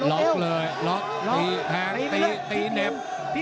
ล็อกเลยล็อกตีแทงตีตีเหน็บ